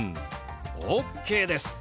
ＯＫです！